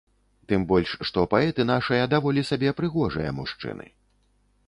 Тым больш, што паэты нашыя даволі сабе прыгожыя мужчыны.